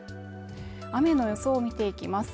雨の予想を見ていきます